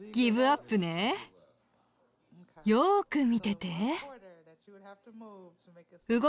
よく見てて。